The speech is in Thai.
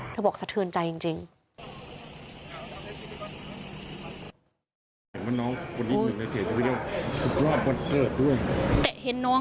เธอบอกสะเทือนใจจริง